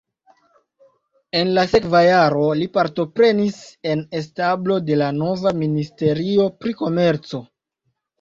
En la sekva jaro li partoprenis en establo de nova ministerio pri komerco.